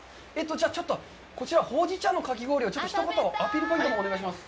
じゃあちょっと、こちら、ほうじ茶のかき氷を一言アピールポイントをお願いします。